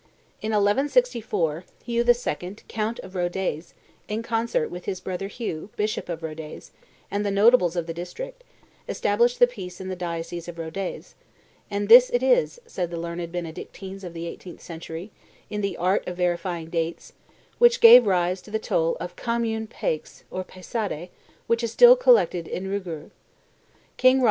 In 1164, Hugh II., count of Rodez, in concert with his brother Hugh, bishop of Rodez, and the notables of the district, established the peace in the diocese of Rodez; "and this it is," said the learned Benedictines of the eighteenth century, in the Art of Verifying Dates, "which gave rise to the toll of commune paix or pesade, which is still collected in Rouergue."